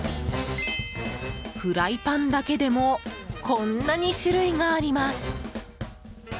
フライパンだけでもこんなに種類があります。